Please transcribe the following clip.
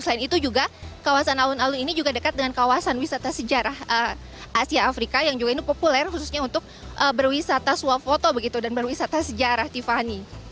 selain itu juga kawasan alun alun ini juga dekat dengan kawasan wisata sejarah asia afrika yang juga ini populer khususnya untuk berwisata swafoto begitu dan berwisata sejarah tiffany